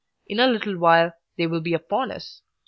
In a little while they will be upon us.